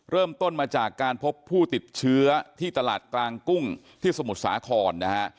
เริ่มต้นมาจากการพบผู้ติดเชื้อที่ตลาดกลางกุ้งที่สมุทรสาครนะฮะ